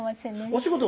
お仕事